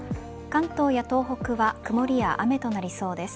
関東や東北は曇りや雨となりそうです。